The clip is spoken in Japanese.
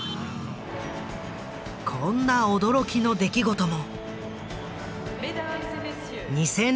こんな驚きの出来事も。